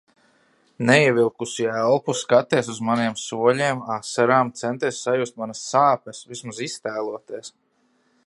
Neievilkusi elpu, skaties uz maniem soļiem, asarām, centies sajust manas sāpes, vismaz iztēloties.